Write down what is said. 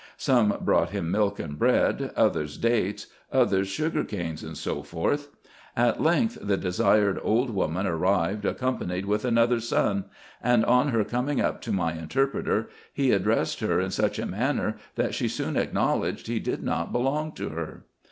Some brought him milk and bread, others dates, others sugar canes, &c. At length IN EGYPT, NUBIA, &c. 37 the desired old woman arrived, accompanied with another son ; and, on her coming up to my interpreter, he addressed her in such a manner, that she soon acknowledged he did not belong to her.